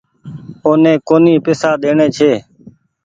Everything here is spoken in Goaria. اوني ڪونيٚ پئيسا ڏيڻي ڇي۔